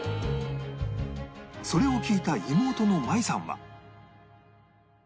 それを聞いた妹の舞さんは